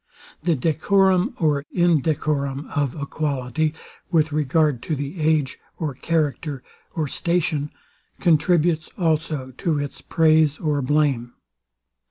The decorum or indecorum of a quality, with regard to the age, or character, or station, contributes also to its praise or blame.